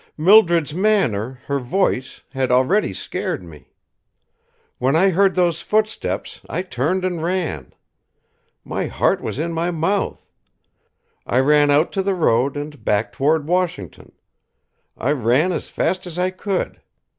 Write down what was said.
Mildred's manner, her voice, had already scared me. "When I heard those footsteps, I turned and ran. My heart was in my mouth. I ran out to the road and back toward Washington. I ran as fast as I could.